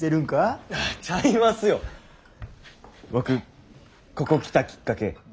僕ここ来たきっかけ